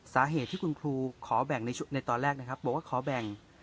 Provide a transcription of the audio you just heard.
สาเหตุที่คุณครูขอแบ่งในตอนแรกนะครับบอกว่าขอแบ่ง